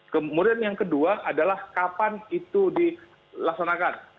kemudian yang kedua adalah kapan itu dilaksanakan